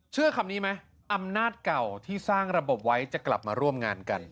เชื่อคำนี้ไหมอำนาจเก่าที่สร้างระบบไว้จะกลับมาร่วมงานกัน